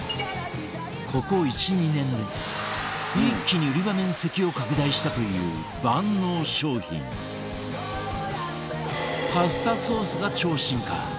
ここ１２年で一気に売り場面積を拡大したという万能商品パスタソースが超進化